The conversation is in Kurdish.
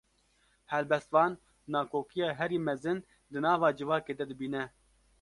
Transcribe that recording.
Helbestvan, nakokiya herî mezin, di nava civakê de dibîne